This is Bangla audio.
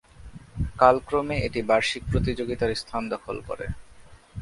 কালক্রমে এটি বার্ষিক প্রতিযোগিতার স্থান দখল করে।